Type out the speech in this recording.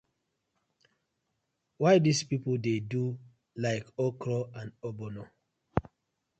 Why dis pipu dey draw like okra and ogbono.